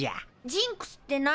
ジンクスって何？